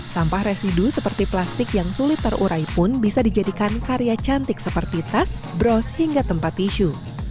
sampah residu seperti plastik yang sulit terurai pun bisa dijadikan karya cantik seperti tas bros hingga tempat tisu